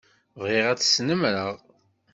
Bɣiɣ ad tt-snemmreɣ.